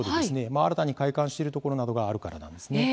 新たに開館しているところなどがあるからなんですね。